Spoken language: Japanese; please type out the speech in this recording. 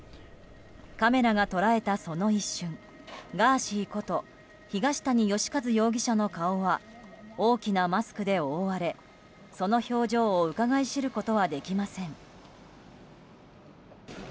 カメラが捉えた、その一瞬ガーシーこと東谷義和容疑者の顔は大きなマスクで覆われその表情をうかがい知ることはできません。